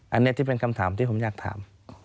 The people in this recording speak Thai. อันนี้ที่เป็นคำถามที่ผมอยากถาม